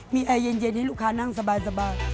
มีแอร์เย็นให้ลูกค้านั่งสบาย